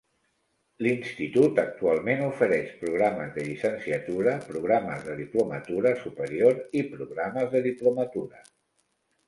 L'institut actualment ofereix programes de llicenciatura, programes de diplomatura superior i programes de diplomatura.